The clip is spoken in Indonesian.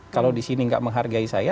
kalau di sini tidak menghargai saya